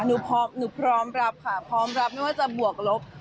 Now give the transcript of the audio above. หนูพร้อมรับค่ะพร้อมรับไม่ว่าจะบวกลบ